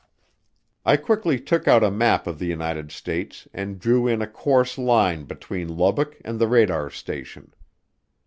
I quickly took out a map of the United States and drew in a course line between Lubbock and the radar station.